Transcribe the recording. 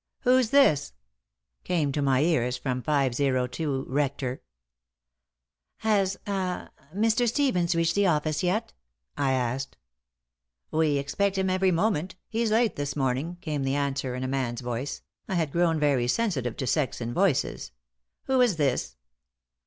"Who's this?" came to my ears from 502, Rector. "Has ah Mr. Stevens reached the office yet?" I asked. "We expect him every moment. He's late this morning," came the answer in a man's voice, (I had grown very sensitive to sex in voices.) "Who is this?"